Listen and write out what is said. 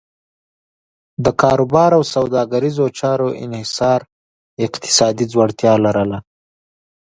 د کاروبار او سوداګریزو چارو انحصار اقتصادي ځوړتیا لرله.